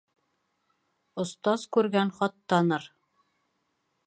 Остаз күргән хат таныр.